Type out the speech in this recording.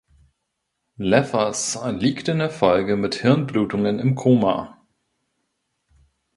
Leffers liegt in der Folge mit Hirnblutungen im Koma.